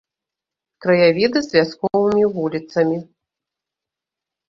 Краявіды з вясковымі вуліцамі.